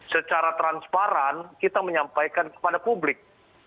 secara transparan kita menyampaikan kepada publik